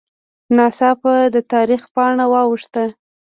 ناڅاپه د تاریخ پاڼه واوښته